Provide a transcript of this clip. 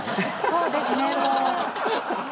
そうですねもう。